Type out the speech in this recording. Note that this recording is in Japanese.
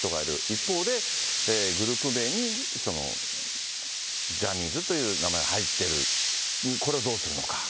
一方で、グループ名にジャニーズという名前が入ってる、これをどうするのか。